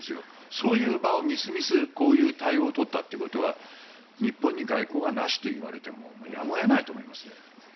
そういう場をみすみすこういう対応を取ったということは日本に外交はなしといわれてもやむを得ないと思います。